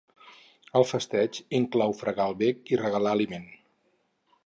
El festeig inclou fregar el bec i regalar aliment.